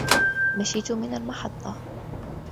مشيت من المحطة.